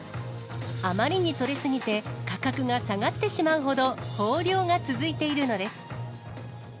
あまりに取れ過ぎて価格が下がってしまうほど豊漁が続いているのです。